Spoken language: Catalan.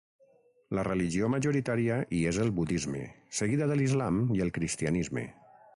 La religió majoritària hi és el Budisme, seguida de l'Islam i el cristianisme.